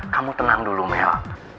kamu tenang dulu mel